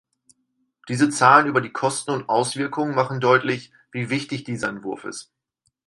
Diese Zahlen über die Kosten und Auswirkungen machen deutlich, wie wichtig dieser Entwurf ist.